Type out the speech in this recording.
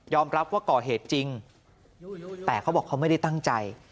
รับว่าก่อเหตุจริงแต่เขาบอกเขาไม่ได้ตั้งใจ